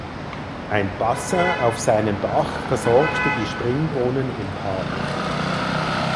Ein Bassin auf seinem Dach versorgte die Springbrunnen im Park.